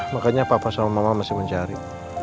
makanya papa sama mama masih mencari